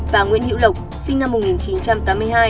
và nguyễn hữu lộc sinh năm một nghìn chín trăm tám mươi hai